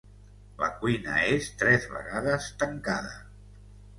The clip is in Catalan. La cuina és tres vegades tancada.